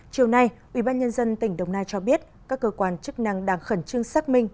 chiều nay ubnd tỉnh đồng nai cho biết các cơ quan chức năng đang khẩn trương xác minh